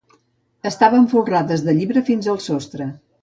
Estaven folrades de llibres fins al sostre.